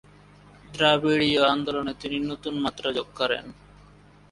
দ্রাবিড়ীয় আন্দোলনে তিনি নতুন মাত্রা যোগ করেন।